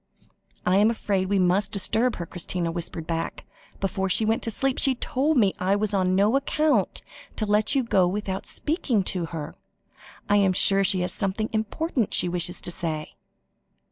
"I am afraid we must disturb her," Christina whispered back. "Before she went to sleep, she told me I was on no account to let you go without speaking to her. I am sure she has something important she wishes to say."